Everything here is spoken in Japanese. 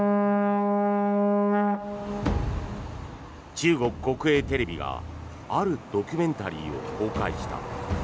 中国国営テレビがあるドキュメンタリーを公開した。